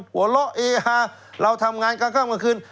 หัวเลอะเอให้เราทำงานกลางกลางคืน